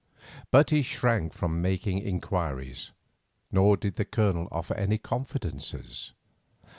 But he shrank from making inquiries, nor did the Colonel offer any confidences.